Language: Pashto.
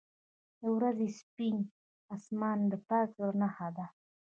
• د ورځې سپین آسمان د پاک زړه نښه ده.